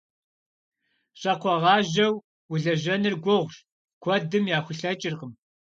Щӏакхъуэгъажьэу уэлэжьэныр гугъущ, куэдым яхулъэкӏыркъым.